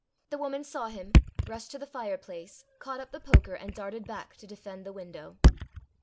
The woman saw him, rushed to the fire place, caught up the poker, and darted back to defend the window.